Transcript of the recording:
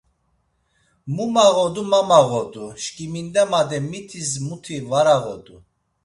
Mu mağodu ma mağodu, şkiminde made mitis muti var ağodu.